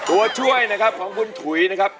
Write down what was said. ตัวช่วยนะครับของคุณถุยนะครับ